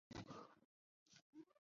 砂生槐为豆科槐属下的一个种。